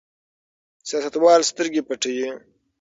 سیاستوال سترګې پټوي.